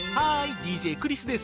ＤＪクリスです。